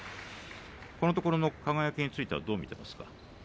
このところの輝についてはどう見ていますか。